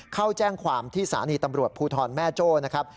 เข้าแจ้งความที่สถานีตำรวจภูทรแม่โจ้นะครับ